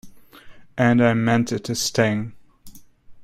And I meant it to sting.